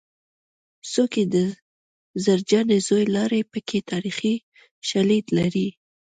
څوک یې د زرجانې زوی لاړې پکې تاریخي شالید لري